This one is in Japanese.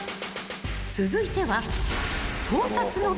［続いては］